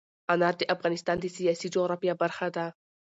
انار د افغانستان د سیاسي جغرافیه برخه ده.